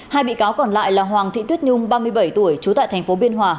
hai bị cáo còn lại là hoàng thị tuyết nhung ba mươi bảy tuổi trú tại thành phố biên hòa